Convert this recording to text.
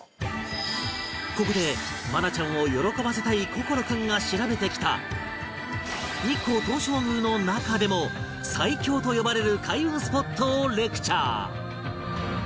ここで愛菜ちゃんを喜ばせたい心君が調べてきた日光東照宮の中でも最強と呼ばれる開運スポットをレクチャー